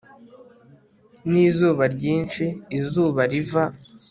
n'izuba ryinshi izuba riva